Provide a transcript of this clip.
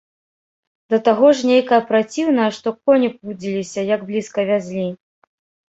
Да таго ж нейкая праціўная, што коні пудзіліся, як блізка вязлі.